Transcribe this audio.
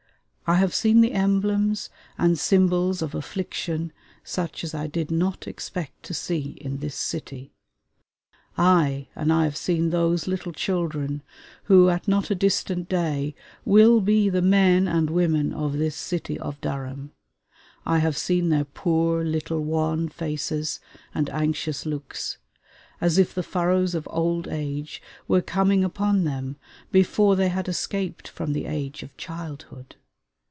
I have seen the emblems and symbols of affliction such as I did not expect to see in this city. Ay! and I have seen those little children who at not a distant day will be the men and women of this city of Durham; I have seen their poor little wan faces and anxious looks, as if the furrows of old age were coming upon them before they had escaped from the age of childhood.